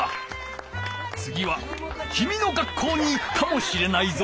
つぎはきみの学校に行くかもしれないぞ。